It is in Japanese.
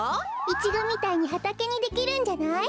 イチゴみたいにはたけにできるんじゃない？